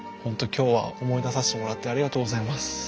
今日は思い出させてもらってありがとうございます。